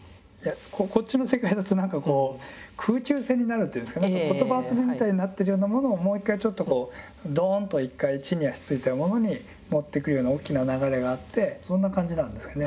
こっちの世界だと何かこう空中戦になるっていうんですか言葉遊びみたいになってるようなものをもう一回ちょっとこうドーンと一回地に足ついたものに持ってくような大きな流れがあってそんな感じなんですかね。